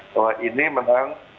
bahwa ini memang